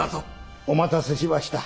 お待たせしました。